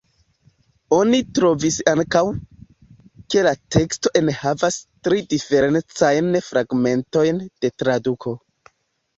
Oni trovis ankaŭ, ke la teksto enhavas tri diferencajn fragmentojn de traduko.